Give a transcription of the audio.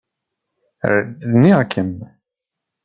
Rniɣ-kem.